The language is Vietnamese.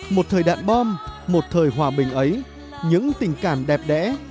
một thời đạn bom một thời hòa bình ấy những tình cảm đẹp đẽ